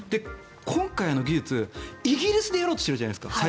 今回の技術、イギリスでやろうとしてるじゃないですか。